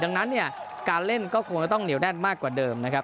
ดังนั้นเนี่ยการเล่นก็คงจะต้องเหนียวแน่นมากกว่าเดิมนะครับ